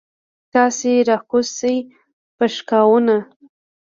تاسې راکوز شئ پشکاوونه.